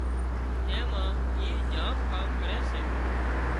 تيمان اي جام ڪام ڪري سي